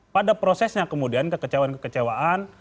pada prosesnya kemudian kekecewaan kekecewaan